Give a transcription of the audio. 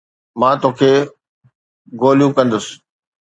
مان توکي گوليون ڪندس